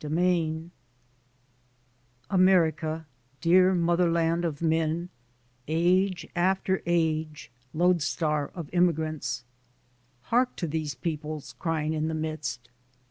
AMERICA America, dear motherland of men, Age after age lodestar of immigrants, Hark to these peoples crying in the mist!